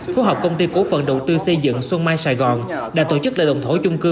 phố học công ty cổ phận động tư xây dựng xuân mai sài gòn đã tổ chức lợi động thổ chung cư